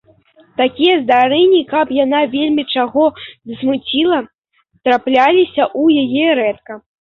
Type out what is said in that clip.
Такія здарэнні, каб яна вельмі чаго засмуцілася, трапляліся ў яе рэдка.